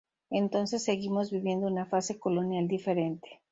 Entonces seguimos viviendo una fase colonial diferente.